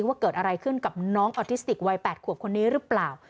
ว่าเกิดอะไรขึ้นกับน้องออทิสติกวัย๘ขวบคนนี้หรือเปล่า